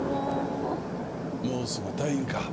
もうすぐ退院か。